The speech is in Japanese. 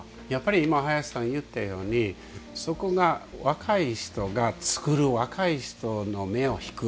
今、林さん言ったように若い人が作る若い人の目を引く。